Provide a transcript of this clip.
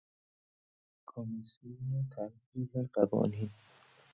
کمیسیون تنقیح قوانین